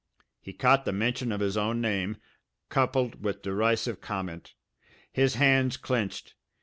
He caught the mention of his own name, coupled with derisive comment. His hands clenched.